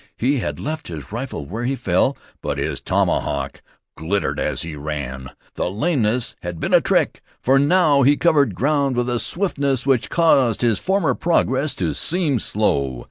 He had left his rifle where he fell; but his tomahawk glittered as he ran. The lameness had been a trick, for now he covered ground with a swiftness which caused his former progress to seem slow.